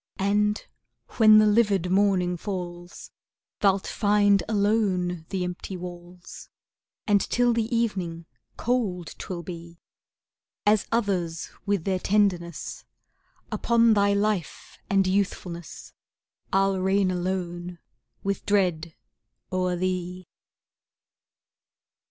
And when the livid morning falls, Thou'lt find alone the empty walls, And till the evening, cold 'twill be. As others with their tenderness, Upon thy life and youthfulness, I'll reign alone with dread o'er thee.